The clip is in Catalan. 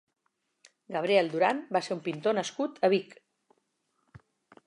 Gabriel Durán va ser un pintor nascut a Vic.